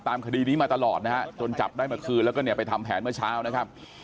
คดีนี้มาตลอดนะฮะจนจับได้เมื่อคืนแล้วก็เนี่ยไปทำแผนเมื่อเช้านะครับ